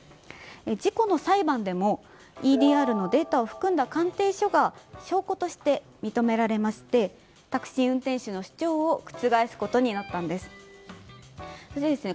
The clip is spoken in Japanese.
事故の裁判でもＥＤＲのデータを含んだ鑑定書が証拠として認められましてタクシー運転手の主張を覆すことになったんです。